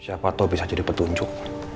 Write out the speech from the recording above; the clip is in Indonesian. siapa tau bisa jadi petunjuk